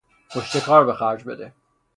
پشتکار به خرج بده!